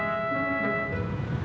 terima kasih mas